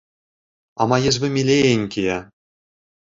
А мае ж вы міленькія!